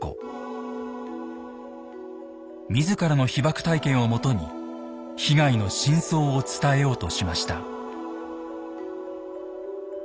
自らの被爆体験をもとに被害の真相を伝えようとしました。